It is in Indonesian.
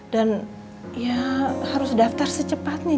dan ya harus daftar secepatnya